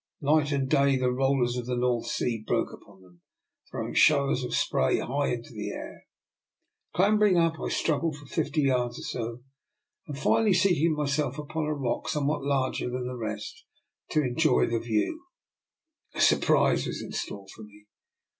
Night and day the rollers of the North Sea broke upon them, throwing showers of spray high into the air. Clambering up, I strug gled for fifty yards or so, and finally seating myself upon a rock somewhat larger than the rest, prepared to enjoy the view. A surprise DR. NIKOLA'S EXPERIMENT. 215 was in store for me.